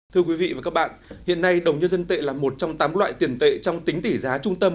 thưa quý vị và các bạn hiện nay đồng nhân dân tệ là một trong tám loại tiền tệ trong tính tỷ giá trung tâm